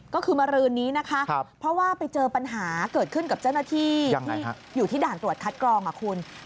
ก็คือมารืนนี้นะคะเพราะว่าไปเจอปัญหาเกิดขึ้นกับเจ้าหน้าที่ที่อยู่ที่ด่านตรวจคัดกรองอ่ะคุณ